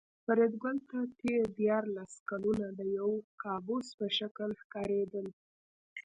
فریدګل ته تېر دیارلس کلونه د یو کابوس په شکل ښکارېدل